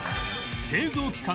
製造期間